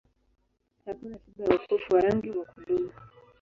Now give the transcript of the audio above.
Hakuna tiba ya upofu wa rangi wa kudumu.